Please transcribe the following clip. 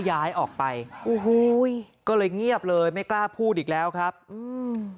ย้ายออกไปโอ้โหก็เลยเงียบเลยไม่กล้าพูดอีกแล้วครับอืม